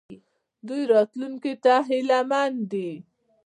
دوی راتلونکي ته هیله مند دي.